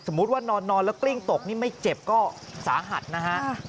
ว่านอนแล้วกลิ้งตกนี่ไม่เจ็บก็สาหัสนะฮะ